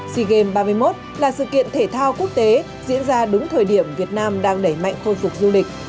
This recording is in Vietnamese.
sea games ba mươi một là sự kiện thể thao quốc tế diễn ra đúng thời điểm việt nam đang đẩy mạnh khôi phục du lịch